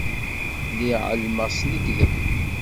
Lliɣ ɛelmeɣ d lekdeb.